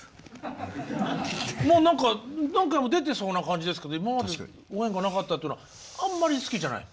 もう何か何回も出てそうな感じですけど今までご縁がなかったっていうのはあんまり好きじゃない？